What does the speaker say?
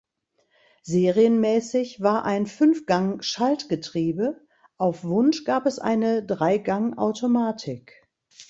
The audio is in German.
Serienmäßig war ein Fünfgang-Schaltgetriebe; auf Wunsch gab es eine Dreigang-Automatik.